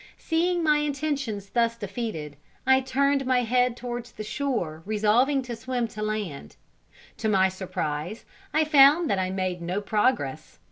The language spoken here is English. Seeing my intentions thus defeated, I turned my head towards the shore, resolving to swim to land. To my surprise, I found that I made no progress.